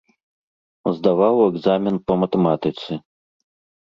Здаваў экзамен па матэматыцы.